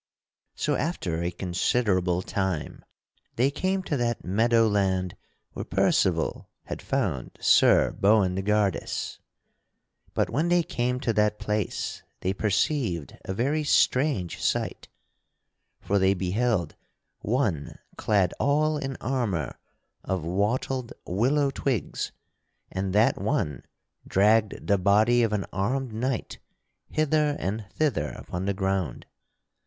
So after a considerable time they came to that meadow land where Percival had found Sir Boindegardus. [Sidenote: How the two knights find Percival in the meadow] But when they came to that place they perceived a very strange sight. For they beheld one clad all in armor of wattled willow twigs and that one dragged the body of an armed knight hither and thither upon the ground.